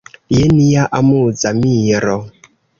Je nia amuza miro!